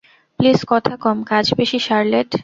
Please কথা কম, কাজ বেশি শার্লেট।